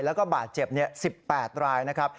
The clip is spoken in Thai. แล้วก็บาดเจ็บ๑๘รายนะครับ